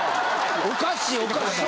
おかしいおかしい。